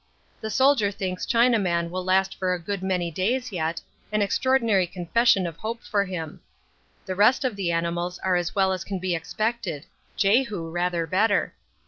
The Soldier thinks Chinaman will last for a good many days yet, an extraordinary confession of hope for him. The rest of the animals are as well as can be expected Jehu rather better.